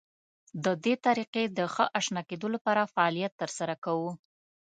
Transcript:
د دې طریقې د ښه اشنا کېدو لپاره فعالیت تر سره کوو.